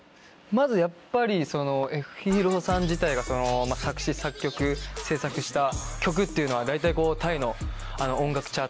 まずやっぱりＦ．ＨＥＲＯさん自体が作詞作曲制作した曲っていうのは大体。